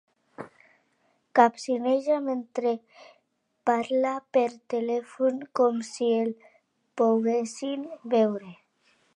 Capcineja mentre parla per telèfon, com si el poguessin veure.